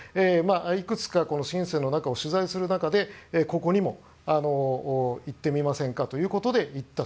いくつかシンセンの中を取材する中でここにも行ってみませんかということで行った。